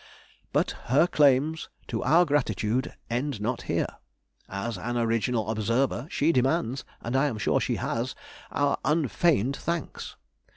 _] But her claims to our gratitude end not here; as an original observer she demands, and I am sure she has, our unfeigned thanks.